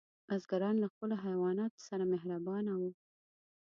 بزګران له خپلو حیواناتو سره مهربانه وو.